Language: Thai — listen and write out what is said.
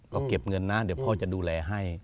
ก็เก็บเงินนะเดี๋ยวพ่อจะดูแลให้